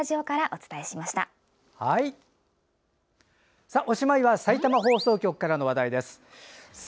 おしまいはさいたま放送局から話題です。